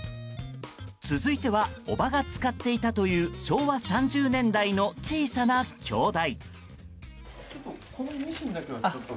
続いてはおばが使っていたという昭和３０年代の小さな鏡台。